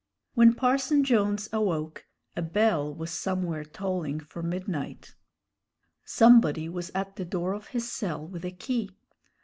When Parson Jones awoke, a bell was somewhere tolling for midnight. Somebody was at the door of his cell with a key.